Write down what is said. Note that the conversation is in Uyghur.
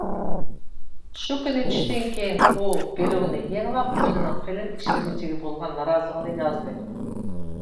شۇ كۈنى چۈشتىن كېيىن، ئۇ بىلوگنى يېڭىلاپ ئۆزىنىڭ فىلىم ئىشلىگۈچىگە بولغان نارازىلىقىنى يازدى.